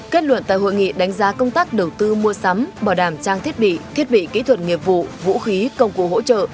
kết luận tại hội nghị đánh giá công tác đầu tư mua sắm bảo đảm trang thiết bị thiết bị kỹ thuật nghiệp vụ vũ khí công cụ hỗ trợ